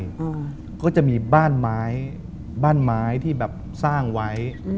เขาก็จะมีบ้านไม้บ้านไม้ที่สร้างไว้